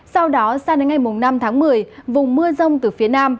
sau đó sang đến ngày năm tháng một mươi vùng mưa rông từ phía nam